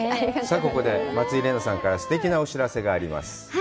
さあ、ここで松井玲奈さんからすてきなお知らせがあります。